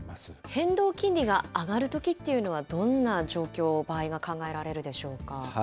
変動金利が上がるときというのは、どんな状況、場合が考えられるでしょうか。